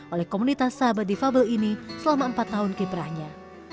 oleh komunitas sahabat difabel ini selama empat tahun kiprahnya